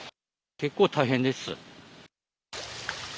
結構大変です。